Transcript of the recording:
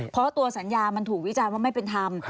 เพราะตัวสัญญามันถูกวิจารณ์ว่าไม่เป็นธรรม